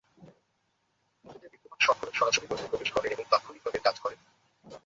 মধুতে বিদ্যমান শর্করা সরাসরি রক্তে প্রবেশ করে এবং তাৎক্ষণিকভাবে কাজ করে।